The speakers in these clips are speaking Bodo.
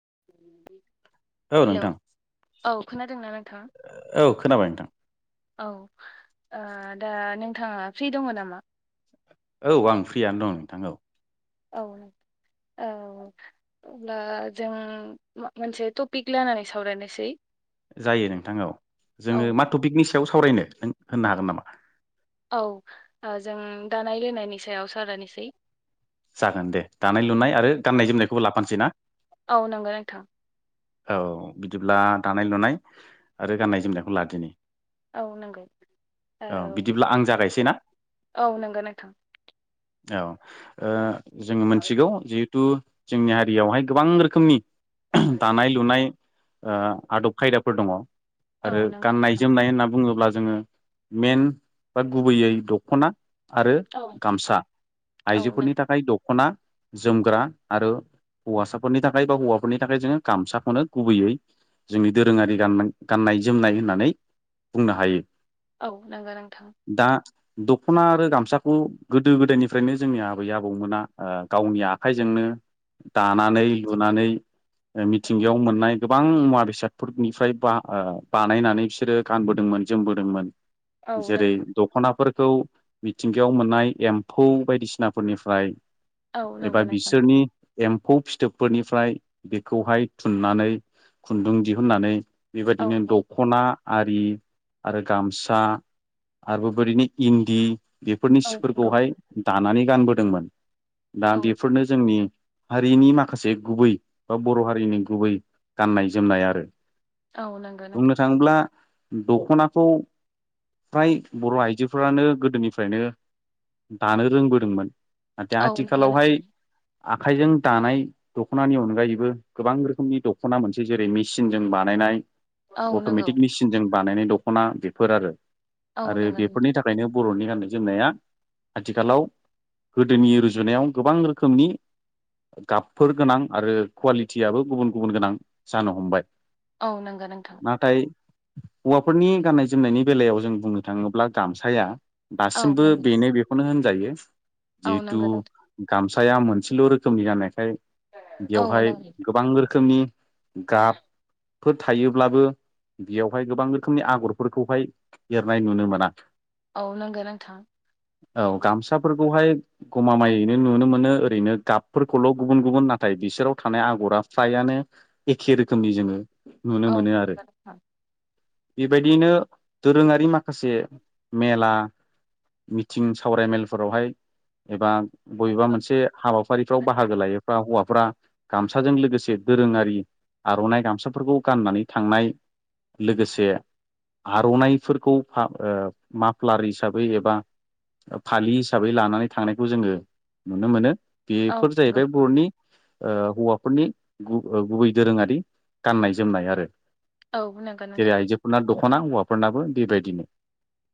[inaudible] औ हेलौ नोंथां औ खोनादों ना नों औ खोनाबाय नोंथां औ दा ओ नोंथाङा फ्रि दङ नामा? औ आं फ्रियानो दं नोंथां औ औ औ अब्ला जों मोनसे टपिक लानानै सावरायनोसै जायो नोंथां औ औ जोङो मा टपिकनि सायाव सावरायनो नों होननो हागोन नामा औ जों दानाय लोंनायनि सायाव सावरायनिसै जागोन दे दानाय लुनाय आरो गाननाय जोमनायखौबो लाफानोसै ना औ नंगौ नोंथां औ बिदिब्ला दानाय लुनाय आरो गाननाय जोमनायखौ लादिनि औ नंगौ औ बिदिब्ला आं जागायसै ना औ नंगो नोंथां औ ओ औ जोङो मोनथिगौ जि थु जोंनि हारियावहाय गोबां रोखोमनि दानाय लुनाय ओ आदब खायदाफोर दङ आरो औ नंगौ गाननाय जोमनाय होनना बुङोब्ला जोङो मेन बा गुबैयै दख'ना आरो औ गामसा औ नों आइजोफोरनि थाखाय दख'ना जोमग्रा आरो हौवासाफोरनि थाखाय बा हौवाफोरनि थाखाय जोङो गामसाखौनो गुबैयै जोंनि दोरोङारि गान गाननाय जोमनाय होननानै बुंनो हायो। औ नोंगो नोंथां दा दख'ना आरो गामसाखौ गोदो गोदायनि फ्रायनो जोंनि आबै आबौमोना ओ गावनि आखाइजोंनो दानानै सुनानै ओ मिथिंगायाव मोननाय गोबां मुवा बेसादफोरनिफाय बा ओ बानायनानै बिसोरो गानबोदों मोन जोमबोदोंमोन औ जेरै नंगौ दख'नाफोरखौ मिथिंगायाव मोननाय एम फौ बायदिसना फोरनिफाय औ एबा नंगौ नोंथां बिसोरनि एम्फौ फिथोबफोरनिफ्राय बेखौहाय थुननानै खुन्दुं दिहुननानै औ बेबादिनो दख'ना आरि आरो गामसा आरबो बोरिनि इन्दि बेफोरनि औ नंगौ सिफोरखौहाय दानानै गानबोदोंमोन दा औ बेफोरनो जोंनि हारिनि माखासे गुबै बा बर' हारिनि गुबै गाननाय जोमनाय आरो औ नंगौ नोंथां बुंनो थाङोब्ला दख'नाखौ फ्राय बर' आइजोफोरानो गोदोनिफ्रायनो दानो रोंबोदोंमोन नाथाय औ नंगौ आथिखालावहाय नोंथां आखाइजों दानाय दख'नानि अनगायैबो गोबां रोखोमनि दख'ना मोनसेै जेरै मेचिनजों बानायनाय औ नंगौ अटमेटिक मेसिनजों बानायनाय दख'ना बेफोर आरो। औ आरो नंगौ नोंथां बेफोरनि थाखायनो बर'नि गाननाय जोमनाया आथिखालाव गोदोनि रुजुनायाव गोबां रोखोमनि गाबफोर गोनां आरो कुवालिटियाबो गुबुन गुबुन गोनां जानो हमबाय। औ नोंगो नोंथां। नाथाय हौवाफोरनि गाननाय जोमनायनि बेलायाव जों बुंनो थाङोब्ला गामसाया औ दासिमबो नंगौ बेनो बेखौनो होनजायो औ जिहेथु नंगौ नोंथां गामस साया मोनसेल रोखोमनि जानायखाय औ बेवहाय नंगौ गोबां रोखोमनि गाब फोर थायोब्लाबो बेयावहाय गोबां रोखोमनि आगरफोरखौहाय एरनाय नुनो मोना। औ नोंगो नोंथां। औ गामसाफोरखौहाय गमामायैनो नुनो मोनो ओरैनो गाबफोरखौल गुबुन गुबुन नाथाय बिसोराव थानाय आगरा फ्रायानो नो एखे रोखोमनि जोङो नुनो औ। मोनो आरो बेबायदियैनो दोरोङारि माखासे मेला मिथ थिं सावरायमेलफोरावहाय एबा बयबा मोनसे हाबाफारिफ्राव बाहागो लायोबा हौवा फुरा गामसाजों लोगोसे दोरोङारि आर'नाइ गामसाफोरखौ गाननानै थांनाय लोगोसे आर'नाइफोरखौ फाब ओ माफ्लार हिसाबै एबा फालि हिसाबै लानानै थांनायखौ जोङो नुनो मोनो। औ बेफोर नंगौ जाहैबाय बर'नि ओ हौवाफोरनि गु ओ गुबै दोरोङारि गाननाय जोमनाय आरो। औ नोंगो नोंथां। खना हौवाफोरनाबो बेबायदिनो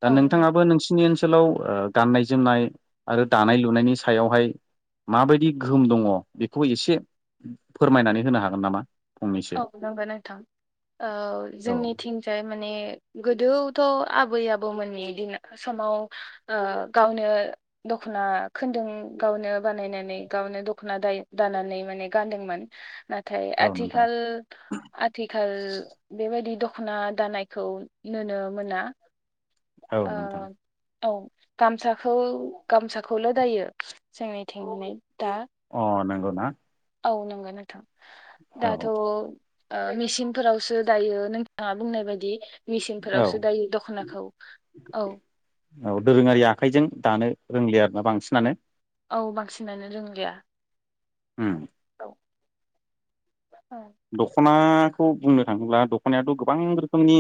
दा औ नोंथाङाबो नोंसिनि ओनसोलाव ओ गाननाय जोमनाय नंगौ आरो दानाय लुनायनि सायावहाय। माबायदि गोहोम दङ बेखौ एसे फोरमायनानै होनो हागोन नामा? फंनैसो औ नोंगो नोंथां ओ औ जोंनिथिंजाय माने गोदोवथ आबै आबौमोननि दिन समाव ओ गावनो दख खना खोन्दों गावनो बानायनानै गावनो दख'ना दाय दानानै माने गान्दोंमोन ना थाय औ नोंथां आथिखाल आथिखाल बेबायदि दख खना दानायखौ नुनो मोना औ ओ नोंथां। औ गामसाखौ गामसाखौल दायो जोंनिथिं नाय। अ नोंगौना? औ नंगौ नोंथां दाथ औ ओ मेसिनफोरावसो दायो नोंथाङा बुंनाय बायदि। औ मेसिनफोरावसो दायो दखनाखौ औ। औ दोरोङारि आखाइजों दानो रोंलि आरोना बांसिनानो। औ बांसिनानो रोंलिया उम औ। औ दखना दखनाखौ बुंनो थाङोब्ला दखनायाथ गोबां रोखोमनि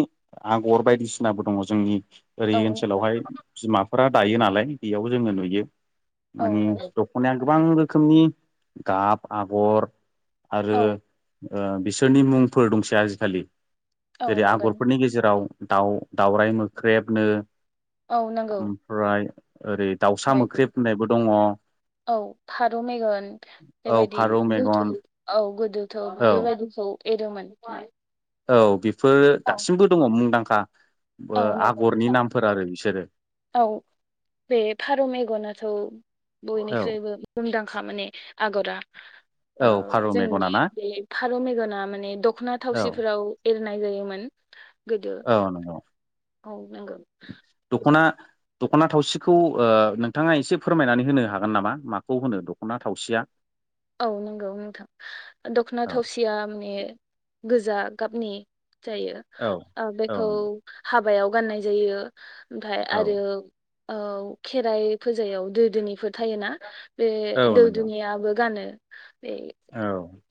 आगर बायदिसिनाबो दङ जोंनि ओरै ओनसोलावहाय बिमाफोरा दायो नालाय बेयाव जोङो नुयो। औ मानि नंगौ दखनाया गोबां रोखोमनि गाब आगर आरो औ ओ बिसोरनि मुंफोर दंसै आजिखालि। औ जेरै नंगौ आगरफोरनि गेजेराव दाउ दावराय मोख्रेबनो। औ नंगौ ओमफ्राय ओरै दाउसा मोख्रेब होननायबो दङ औ फारौ मेगन बेबायदि फारौ मेगन गोजौ औ गोदोथ' औ बेबायदिखौ एरोमोन औ बेफोरो दासिमबो दङ मुंदांखा औ नंगौ आगरनि नोंथां नामफोर आरो बिसोर औ बे फारौ मेगनाथ औ बयनिख्रुबो मुंदांखा खा माने आगरा औ फारौ मेगना जोंनि ना बे फारौ मेगना माने दखना औ थावसिफोराव नाय जायोन औ नंगौ औ नंगौ [unintelligible] दखना थावसिखौ नोंथाङा एसे फोरमायनानै होनो हागोन नामा माखौ होनो दखना थावसिया? औ नंगौ नोंथां दखना औ थावसिया माने गोजा गाबनि औ जायो औ बेखौ हाबायाव गाननाय जायो ओमफ्राय औ आरो खेराइ फुजायाव गोदोनिफोर थायोना बे औ नंगौ दौदुनियाबो गानो बे औ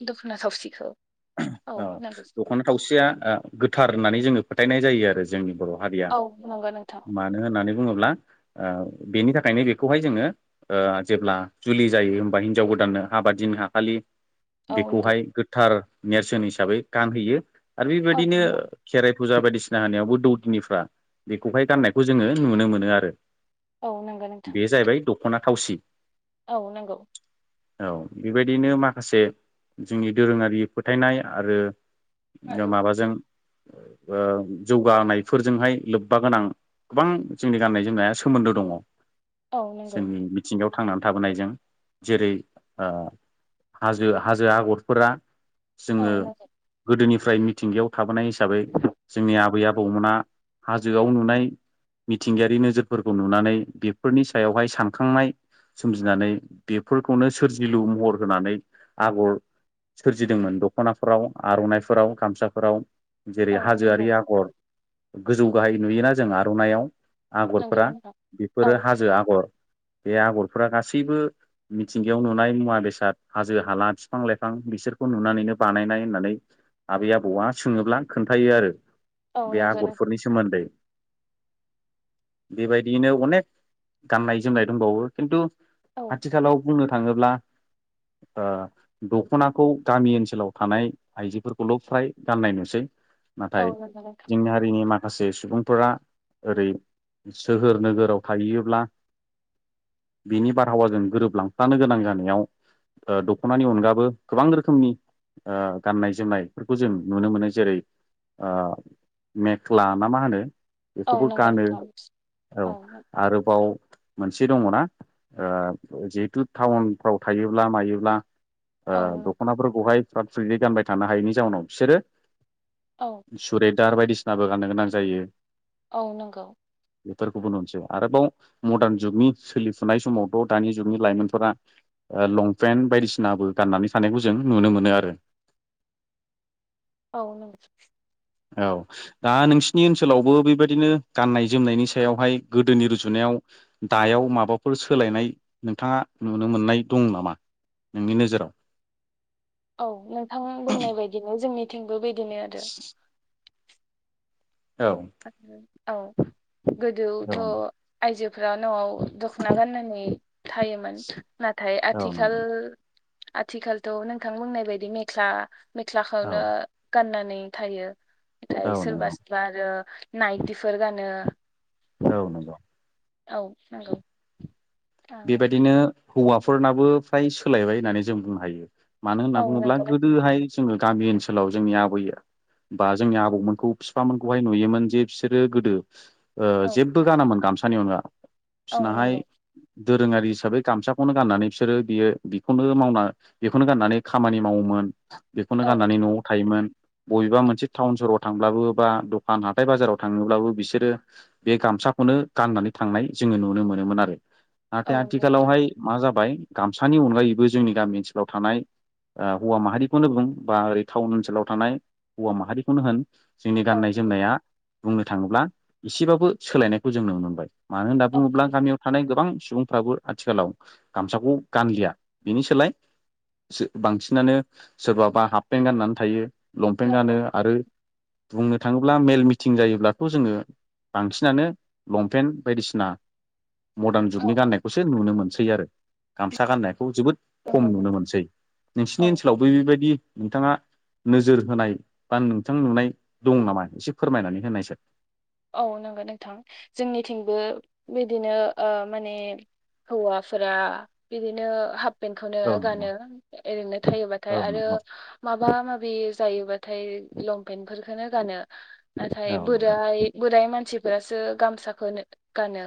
दखुना सावसिखौ दखना थावसिया गोथार होननानै जोङो फोथायनाय जायो आरो जोंनि बर हारिया औ नंगौ नोंथां मानो होननानै बुङोब्ला बेनि थाखायनो बेखौहाय जोङो जेब्ला जुलि जायो हबा हिनजाव गोदान गोदाननो हबा दिनो हाखालि औ नंगौ बेखौहाय गोथार नेरसोन हिसाबै गानहैयो आरो औ बेबायदिनो नंगौ खेराइ फुजा बायदिसिना होनायावबो दौदिनिफ्रा बेखौहाय गाननायखौ जोङो नुनो मोनो आरो औ नंगौ नोंथां बे जाहैबाय दखना थावसि औ नांगौ औ बेबायदिनो माखासे जोंनि दोरोङारि फोथायनाय आरो माबाजों जौगानायफोरजोंहाय लोब्बा गोनां गोबां जोंनि गाननाय जोमनाया सोमोन्दो दङ औ नंगौ जोंनि मिथिंगायाव' थांनानै थाबोनाय जों जेरै हाजो हाजो आगरफोरा औ जोङो नंगौ गोदोनिफ्राय मिथिंगायाव थाबोनाय हिसाबै जोंनि आबै आबौ दमोना हाजोआव नुनाय मिथिंगायारि नोजोरफोरखौ नुनानै बेफोरनि सायावहाय सानखांनाय सोमजिनानै बेफोरखौनो सोरजिलु महर होनानै आगर सोरजिदोंमोन दखनाफोराव आरनाइफोराव गामसाफोराव जेरै औ हाजोआरि नंगौ आगर गोजौ गाहाय नुयोना जों आरनायइाव नंगौ आगरफोरा नोंथां औ बेफोरो हाजो आगर बे आगरफोरा गासैबो मिथिंगायाव नुनाय मुवा बेसाद हाजो हाला बिफां लाइफां बिसोरखौ नुनानैनो बानायनाय होननानै आबै आबौवा सोङोब्ला खोन्थायो आरो औ बे नंगौ नोंथां आगरफोरनि सोमोन्दै बे बायदियैनो अनेक गाननाय जोमनाय दंबावो खिन्तु औ आथिखालाव बुंनो थाङोब्ला ओ दख'नाखौ गामि ओनसोलाव थानाय आइजोफोरखौल' फ्राय गाननाय नुसै औ नाथाय नंगौ नोंथां जोंनि हारिनि मा खासे सुबुंफोरा ओरै सोहोर नोगोराव थाहैयोब्ला बिनि बारहावाजों गोरोबलांफानो गोनां जानायाव ओ दख'नानि अनगाबो गोबां रोखोमनि ओ गाननाय जोमनायफोरखौ जों नुनो मोनो जेरै ओ मेख्ला ना मा होनो औ बेखौबो नंगौ गानो नोंथां औ आरोबाव मोनसे दङना जिहेथु टाउनफ्राव थायोब्ला मायोब्ला ओ औ दख'नाफोरखौहाय फ्राद फ्रिदै गानबाय थानो हायैनि जाउनाव बिसोरो औ सुरेदार बायदिसिनाबो गाननो गोनां जायो औ नंगौ बेफोरखौबो नुनोसै आरोबाव मडार्न जुगनि सोलिफुनाय समावथ' दानि जुगनि लाइमोनफोरा ओ लंपेन्ट बायदिसिनाबो गाननानै थानायखौ जों नुनो मोनो आरो औ नों औ दा नोंसिनि ओनसोलावबो बेबायदिनो गाननाय जोमनायनि सायावहाय गोदोनि रुजुनायाव दायाव माबाफोर सोलायनाय नोंथाङा नुनो मोननाय दं नामा? नोंनि नोजोराव औ नोंथां बुंनाय बायदिनो जोंनिथिंबो बिदिनो आरो औ [unintelligible] औ गोदोथ' औ आयजोफ्रा न'आव दख'ना गाननानै थायोमोन नाथाय औ आथिखाल नंगौ आथिखालथ' नोंथां बुंनाय बायदि मेख्ला औ मेख्लाखौनो गानना नै थायो नाथाय औ सोरबा नंगौ सोरबा आरो नायटिफोर गानो। औ नंगो औ नंगौ बेबायदिनो हौवाफोरनाबो फ्राय सोलायबाय होननानै जों बुंनो हायो। मानो होनना औ बुङोब्ला नंगौ गोदोहाय जोङो गामि ओनसोलाव जोंनि आबै बा जोंनि आबौ मोनखौ बिफामोनखौहाय नुयोमोन जे बिसोरो गोदो ओ औ जेबबो गानामोन गामसानि अनगा औ बिसनाहाय नंगौ दोरोङारि हिसाबै गामसाखौनो गाननानै बिसोरो बियो बेखौनो मावना बेखौनो गाननानै खामानि मावोमोन। बेखौनो औ गाननानै न'आव थायोमोन बबेबा मोनसे टाउन सहराव था थांब्लाबो बा दखान हाथाय बाजाराव थाङोब्लाबो बिसोरो बे गामसाखोनो गनानानै थांनाय जो ङो नुनो मोनोमोन आरो नाथाय औ नंगौ आथिखालावहाय मा जाबाय गामसानि अनगायैबो जोंनि गामि ओनसोलाव थानाय ओ हौवा माहारिखौनो बुं बा ओरै टाउन ओनसोलाव थानाय हौवा माहारिखौनो होन जोंनि औ गाननाय जोमनाया बुंनो थाङोब्ला एसेबाबो सोलायनायखौ जों नुनो मोनबाय। मानो होनना औ बुङोब्ला गामियाव थानाय गोबां सुबुंफ्राबो आथिखालाव गामसाखौ गानलिया बेनि सोलाय सो-बांसिनानो सोरबाबा हाप पेन्ट गाननानै थायो लंपेन्ट गानो नंगौ आरो बुंनो थाङोब्ला मेल मिटिं जायोब्लाथ' जोङो बांसिनानो लंपेन्ट बायदिसिना [inaudible] जुपनि गान्नायखौसो नुनो मोनसै आरो गामसा गाननायखौ जोबोद खम नंगौ नुनो मोनसै नोंसिनि औ ओनसोलावबो बेबायदि नोंथाङा नोजोर होनाय बा नोंथां नुनाय दं नामा एसे फोरमायनानै होनाय साय औ नंगौ नोंथां जोंनिथिंबो बिदिनो ओ माने हौवाफोरा बिदिनो हाप पेनखौनो औ नंगौ गानो ओरैनो थायोबाथाय औ आरो नंगौ माबा माबि जायोबाथाय लंपेन्ट फोरखोनो गानो नाथाय औ नंगौ बोराय मानसिफोरासो गामसाखोनो गानो।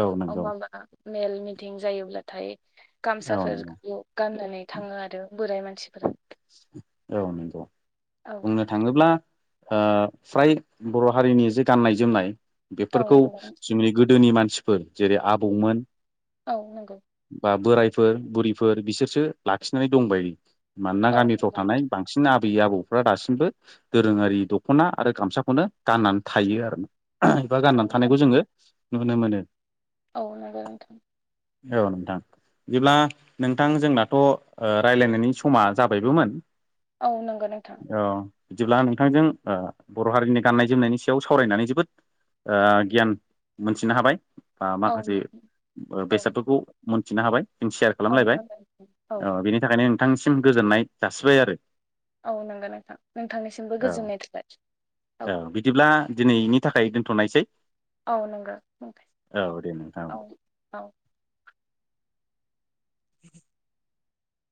औव नंगौ माबा मेल मिथिं जायोब्लाथाय औ नंगौ गामसाफोरखौ गाननानै थाङो आरो बोराय मान औ नंगौ औ बुंनो थाङोब्ला ओ फ्राय बर' हारिनि जे गाननाय जोमनाय औ बेफोरखौ नंगौ जोंनि गोदोनि मानसिफोर जेरै आबौमोन औव नंगौ बा बोरायफोर बुरिफोर बिसोरसो लाखिनानै दंबाय मानोना औ गामिफ्राव थानाय नंगौ बांसिन आ बै आबौफ्रा दासिमबो दोरोङारि दख'ना आरो गामसाखौनो गाननानै थायो आरो ना एबा गाननानै थानायखौ जोङो नुनो मोनो। औव नंगौ नोंथां औ नोंथां बिदिब्ला नोंथां जोंनाथ' ओ रायज्लायनायनि स समा जाबायबोमोन औ नंगो नोंथां। औ बिदिब्ला नोंथांजों ओ बर' हारिनि गाननाय जोमनायनि सायाव सावरायनानै जोबोद ओ गियान मोनथिनो हाबाय। बा औ माखासे नोंथां ओ औ बेसादफोरखौ मोनथिनो हाबाय। जों सेयार औ खालामलायबाय जागोन नोंथां। ओ बेनि थाखायनो नोंथांनिसिम गोजोननाय जासिबाय आरो। औ नंगो नोंथां नोंथांनिसिमबो औ गोजोननाय थाबाय औ। दिनैनि थाखाय दोनथ'नायसै। औ नंगो औ दे नोंथां औ औ [unintelligible]